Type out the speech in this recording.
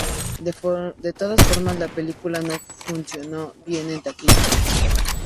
De todas formas, la película no funcionó bien en taquilla.